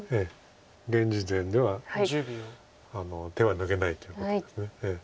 現時点では手は抜けないということです。